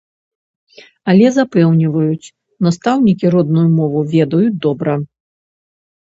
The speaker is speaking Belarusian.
Але запэўніваюць, настаўнікі родную мову ведаюць добра.